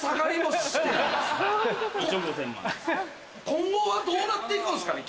今後はどうなっていくんすかね？